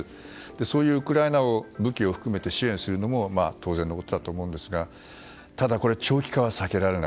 そういうウクライナを武器を含め支援するのも当然だと思いますがただ、長期化は避けられない。